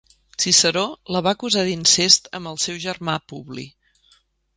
Ciceró la va acusar d'incest amb el seu germà Publi.